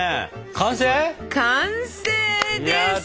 完成です！